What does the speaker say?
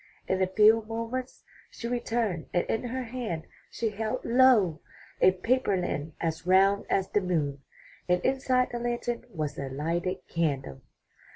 In a few moments she returned and in her hand she held, lo! a paper lantern as round as the moon, and inside the lantern was a lighted candle!